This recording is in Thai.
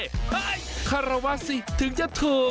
เฮ้ยคาราวะสิถึงจะถูก